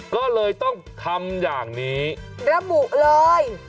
ก็เลยต้องทำอย่างนี้ระบุเลย